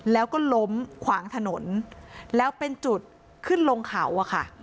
แล้วก็ล้มขวางถนนแล้วเป็นจุดขึ้นลงเขาอะค่ะ